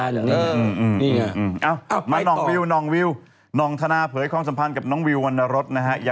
แล้วก็ไม่ต้องกินของตาย